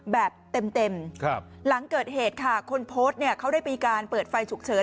แบบเต็มหลังเกิดเหตุค่ะคนโพสต์เนี่ยเขาได้มีการเปิดไฟฉุกเฉิน